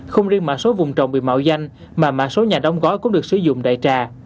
không riêng mã số vùng trồng bị mạo danh mà mạng số nhà đóng gói cũng được sử dụng đại trà